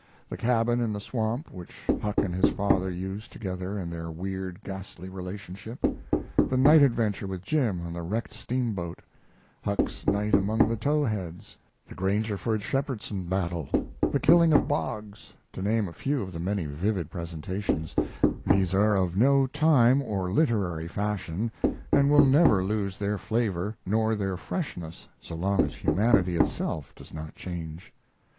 The cabin in the swamp which Huck and his father used together in their weird, ghastly relationship; the night adventure with Jim on the wrecked steamboat; Huck's night among the towheads; the Grangerford Shepherdson battle; the killing of Boggs to name a few of the many vivid presentations these are of no time or literary fashion and will never lose their flavor nor their freshness so long as humanity itself does not change.